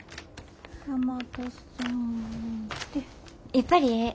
やっぱりええ。